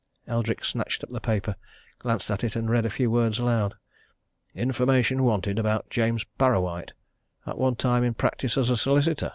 Eldrick snatched up the paper, glanced at it and read a few words aloud. "INFORMATION WANTED about James Parrawhite, at one time in practice as a solicitor."